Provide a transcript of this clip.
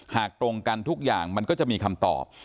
ตรงกันทุกอย่างมันก็จะมีคำตอบ